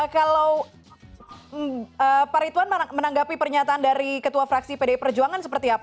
kalau pak ritwan menanggapi pernyataan dari ketua fraksi pdi perjuangan seperti apa